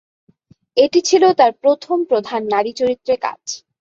এটি ছিল তার প্রথম প্রধান নারী চরিত্রে কাজ।